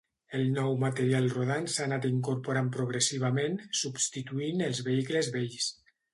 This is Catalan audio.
El nou material rodant s'ha anat incorporant progressivament, substituint els vehicles vells.